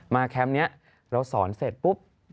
แคมป์นี้เราสอนเสร็จปุ๊บ